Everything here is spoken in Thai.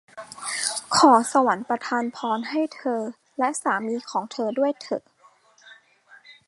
ขอสวรรค์ประทานพรให้เธอและสามีของเธอด้วยเถอะ !